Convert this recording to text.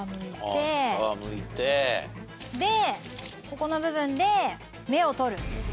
でここの部分で芽を取る。